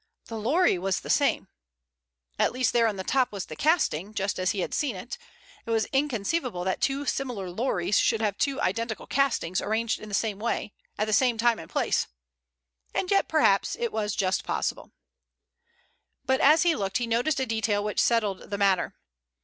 The lorry was the same. At least there on the top was the casting, just as he had seen it. It was inconceivable that two similar lorries should have two identical castings arranged in the same way, and at the same time and place. And yet, perhaps it was just possible. But as he looked he noticed a detail which settled the matter.